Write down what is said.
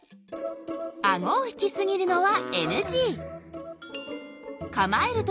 アゴを引きすぎるのはＮＧ！